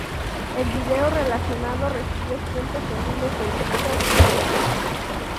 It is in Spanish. El video relacionado recibido cientos de miles de visitas en YouTube.